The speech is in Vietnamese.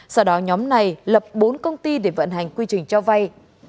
sau đó nhóm này lập bốn công ty để vận hành quy trình cho vay